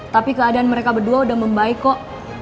tapi keadaan mereka berdua udah membaik kok